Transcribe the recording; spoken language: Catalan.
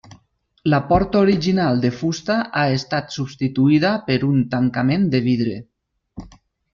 La porta original de fusta ha estat substituïda per un tancament de vidre.